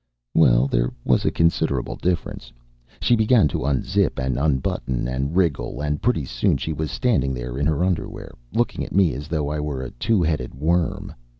Well, there was a considerable difference. She began to unzip and unbutton and wriggle, and pretty soon she was standing there in her underwear, looking at me as though I were a two headed worm.